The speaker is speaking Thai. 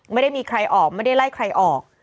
ไม่ได้มีใครออกไม่ได้ไล่ใครออก